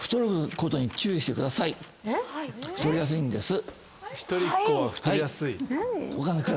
太りやすいんです。